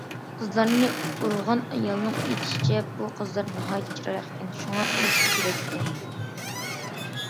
قىزلارنى ئۇرغان ئايالنىڭ ئېيتىشىچە، بۇ قىزلار ناھايىتى چىرايلىق ئىكەن، شۇڭا ئۇرۇش كېرەككەن.